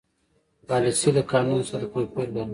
پالیسي له قانون سره توپیر لري.